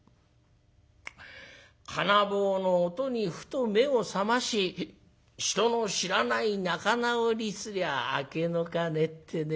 『鉄棒の音にふと目を覚まし人の知らない仲直りすりゃ明けの鐘』ってね。